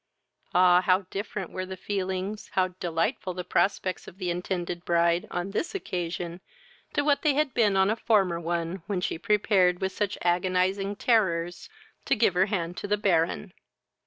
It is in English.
Ah! how different were the feelings, how delightful the prospects of the intended bride, on this occasion, to what they had been on a former one, when she prepared with such agonizing terrors to give her hand to the Baron!